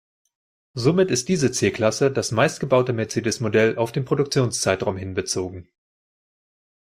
Somit ist diese C-Klasse das meistgebaute Mercedes-Modell auf den Produktionszeitraum hin bezogen.